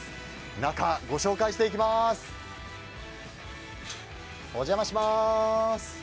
中をご紹介していきます。